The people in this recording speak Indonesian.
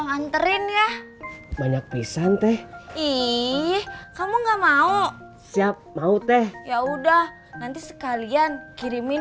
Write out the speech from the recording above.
nganterin ya banyak pisang teh ih kamu nggak mau siap mau teh ya udah nanti sekalian kirimin